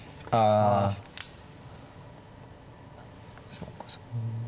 そうかそういう。